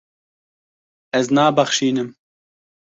Ez nabexşînim.